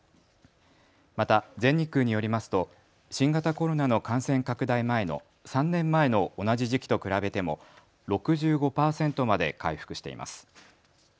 また全日空によりますと新型コロナの感染拡大前の３年前の同じ時期と比べても６５％まで回復しています。